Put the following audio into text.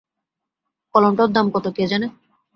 কলমটার দাম কত কে জানে।